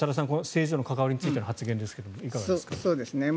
政治との関わりについての発言ですがいかがですか。